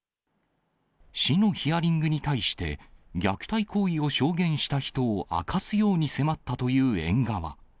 市のヒアリングに対して、虐待行為を証言した人を明かすように迫ったという園側。